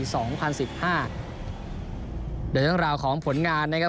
เดี๋ยวท่านราวของผลงานนะครับ